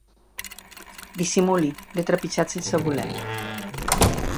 Dissimuli, l'he trepitjat sense voler!